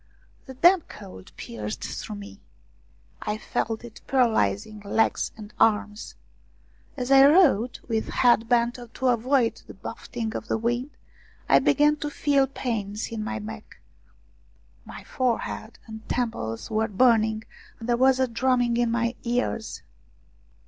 The damp cold pierced through me. I felt it paralysing legs and arms. As I rode with head bent to avoid the buffeting of the wind, I began to feel pains in my neck ; my forehead and temples were burning, and there was a drumming in my ears.